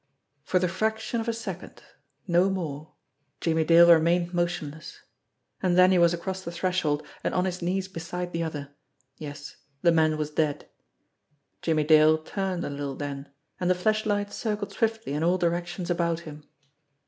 For the fraction of a second, no more, Jimmie Dale re mained motionless, and then he was across the threshold and on his knees beside the other. Yes, the man was dead. Jimmie Dale turned a little then, and the flashlight circled swiftly in all directions about him.